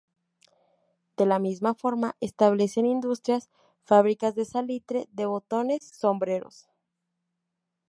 De la misma forma, establecen industrias: fábricas de salitre, de botones, sombreros.